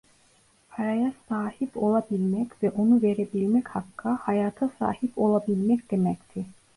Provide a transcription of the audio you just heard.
Paraya sahip olabilmek ve onu verebilmek hakka, hayata sahip olabilmek demekti.